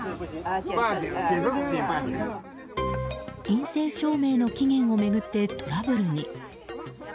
陰性証明の期限を巡ってトラブルに。